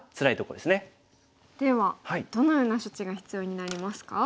ではどのような処置が必要になりますか？